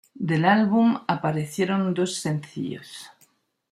Del álbum aparecieron dos sencillos.